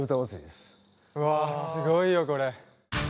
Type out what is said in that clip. うわっすごいよこれ。